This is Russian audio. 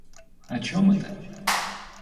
О чем это?